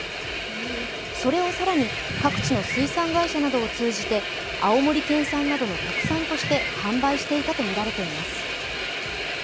それを更に各地の水産会社などを通じて青森県産などの国産として販売していたとみられています。